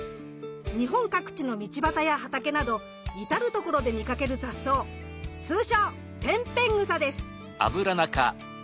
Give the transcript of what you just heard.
日本各地の道ばたや畑など至る所で見かける雑草通称ペンペングサです。